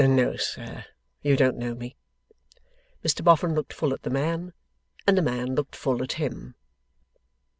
'No, sir, you don't know me.' Mr Boffin looked full at the man, and the man looked full at him.